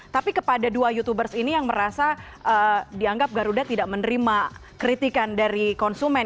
tapi kepada dua youtubers ini yang merasa dianggap garuda tidak menerima kritikan dari konsumen